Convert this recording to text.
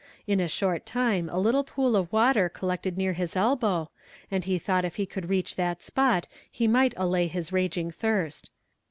In a short time a little pool of water collected near his elbow, and he thought if he could reach that spot he might allay his raging thirst.